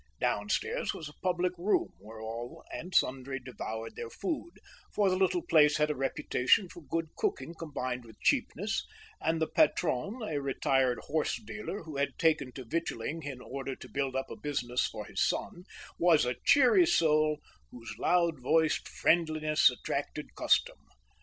Downstairs was a public room, where all and sundry devoured their food, for the little place had a reputation for good cooking combined with cheapness; and the patron, a retired horse dealer who had taken to victualling in order to build up a business for his son, was a cheery soul whose loud voiced friendliness attracted custom.